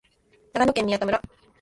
長野県宮田村